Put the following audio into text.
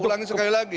saya ulangi sekali lagi